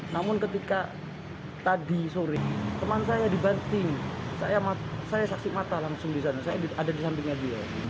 namun ketika tadi sore teman saya dibanting saya saksi mata langsung di sana saya ada di sampingnya beliau